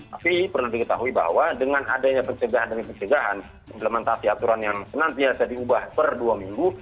tapi perlu diketahui bahwa dengan adanya pencegahan dan pencegahan implementasi aturan yang senantiasa diubah per dua minggu